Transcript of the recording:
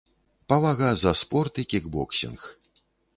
Павага за спорт і кікбоксінг.